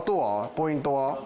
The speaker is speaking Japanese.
ポイントは？